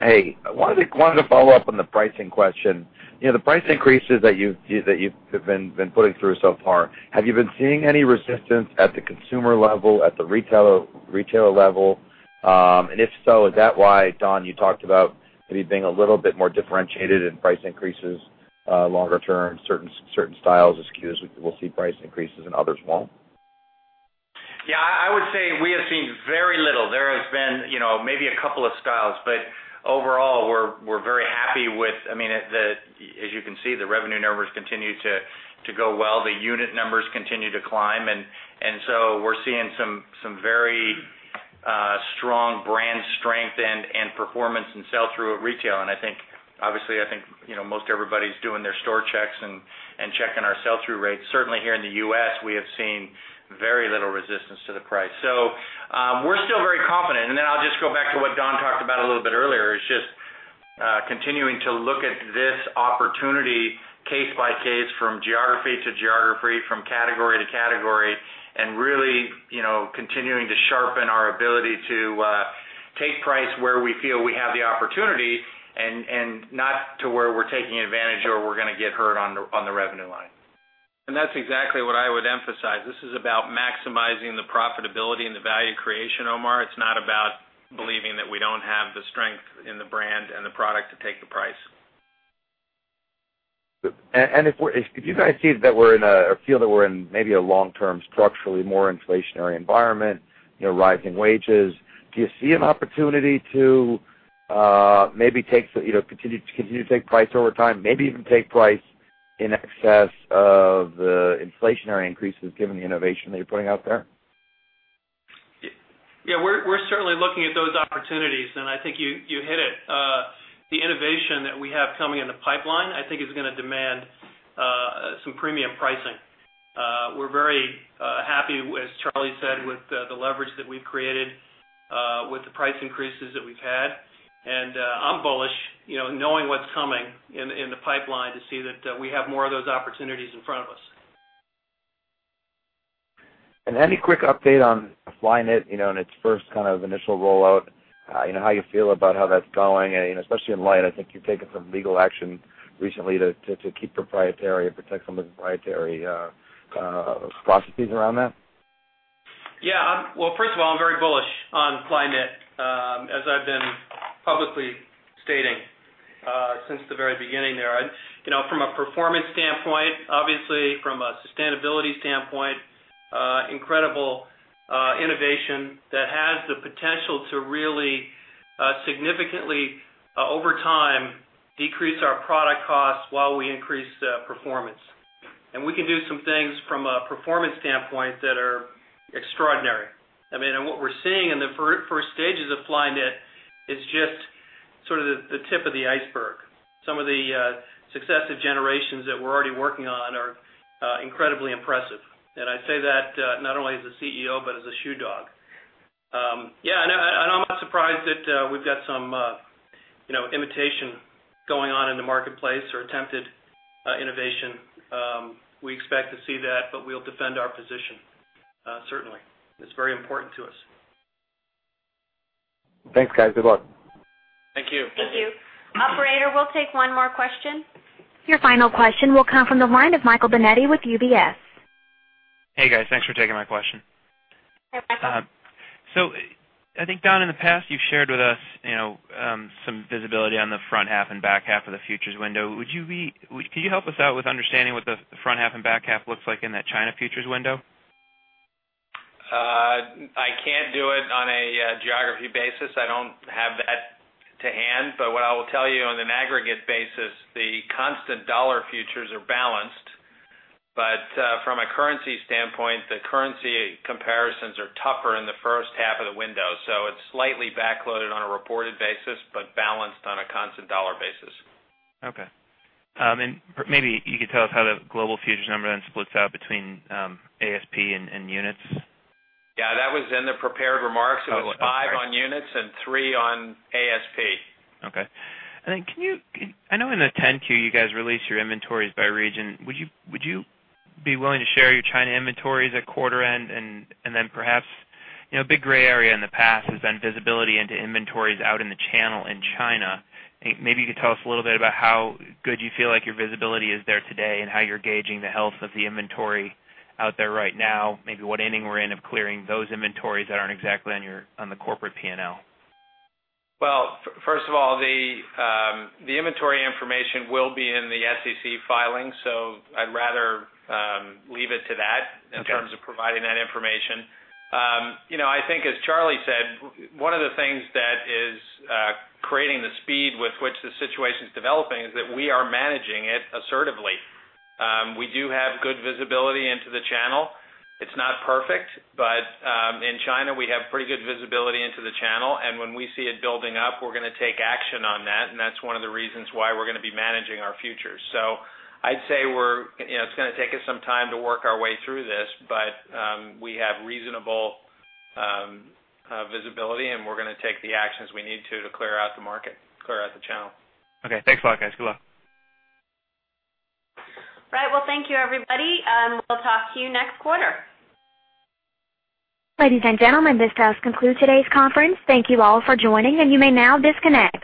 Hey. Wanted to follow up on the pricing question. The price increases that you've been putting through so far, have you been seeing any resistance at the consumer level, at the retailer level? If so, is that why, Don, you talked about maybe being a little bit more differentiated in price increases longer term, certain styles, SKUs will see price increases and others won't? Yeah, I would say we have seen very little. There has been maybe a couple of styles, but overall, we're very happy. As you can see, the revenue numbers continue to go well. The unit numbers continue to climb. So we're seeing some very strong brand strength and performance and sell-through at retail. Obviously, I think, most everybody's doing their store checks and checking our sell-through rates. Certainly, here in the U.S., we have seen very little resistance to the price. We're still very confident. Then I'll just go back to what Don talked about a little bit earlier, is just continuing to look at this opportunity case by case, from geography to geography, from category to category, really continuing to sharpen our ability to take price where we feel we have the opportunity and not to where we're taking advantage or we're going to get hurt on the revenue line. That's exactly what I would emphasize. This is about maximizing the profitability and the value creation, Omar. It's not about believing that we don't have the strength in the brand and the product to take the price. If you guys feel that we're in maybe a long-term, structurally more inflationary environment, rising wages, do you see an opportunity to continue to take price over time, maybe even take price in excess of the inflationary increases given the innovation that you're putting out there? We're certainly looking at those opportunities. I think you hit it. The innovation that we have coming in the pipeline, I think is going to demand some premium pricing. We're very happy, as Charlie Denson said, with the leverage that we've created with the price increases that we've had. I'm bullish, knowing what's coming in the pipeline, to see that we have more of those opportunities in front of us. Any quick update on Flyknit, in its first kind of initial rollout, how you feel about how that's going, and especially in light, I think you've taken some legal action recently to keep proprietary and protect some of the proprietary processes around that. First of all, I'm very bullish on Flyknit. As I've been publicly stating since the very beginning there. From a performance standpoint, obviously from a sustainability standpoint, incredible innovation that has the potential to really significantly, over time, decrease our product costs while we increase performance. We can do some things from a performance standpoint that are extraordinary. What we're seeing in the first stages of Flyknit is just sort of the tip of the iceberg. Some of the successive generations that we're already working on are incredibly impressive, and I say that not only as a CEO but as a shoe dog. I'm not surprised that we've got some imitation going on in the marketplace or attempted innovation. We expect to see that, but we'll defend our position. Certainly. It's very important to us. Thanks, guys. Good luck. Thank you. Thank you. Operator, we'll take one more question. Your final question will come from the line of Michael Binetti with UBS. Hey, guys. Thanks for taking my question. You're welcome. I think, Don, in the past, you've shared with us some visibility on the front half and back half of the futures window. Can you help us out with understanding what the front half and back half looks like in that China futures window? I can't do it on a geography basis. I don't have that to hand. What I will tell you on an aggregate basis, the constant dollar futures are balanced. From a currency standpoint, the currency comparisons are tougher in the first half of the window. It's slightly backloaded on a reported basis, but balanced on a constant dollar basis. Okay. Maybe you could tell us how the global futures number then splits out between ASP and units. Yeah, that was in the prepared remarks. It was five on units and three on ASP. Okay. I know in the 10-Q, you guys released your inventories by region. Would you be willing to share your China inventories at quarter end and then perhaps, a big gray area in the past has been visibility into inventories out in the channel in China. Maybe you could tell us a little bit about how good you feel like your visibility is there today and how you're gauging the health of the inventory out there right now. Maybe what inning we're in of clearing those inventories that aren't exactly on the corporate P&L. Well, first of all, the inventory information will be in the SEC filing, so I'd rather leave it to that. Okay I think as Charlie said, one of the things that is creating the speed with which the situation's developing is that we are managing it assertively. We do have good visibility into the channel. It's not perfect, but in China, we have pretty good visibility into the channel, and when we see it building up, we're going to take action on that, and that's one of the reasons why we're going to be managing our futures. I'd say it's going to take us some time to work our way through this, but we have reasonable visibility, and we're going to take the actions we need to clear out the market, clear out the channel. Okay. Thanks a lot, guys. Good luck. All right. Well, thank you everybody. We'll talk to you next quarter. Ladies and gentlemen, this does conclude today's conference. Thank you all for joining, and you may now disconnect.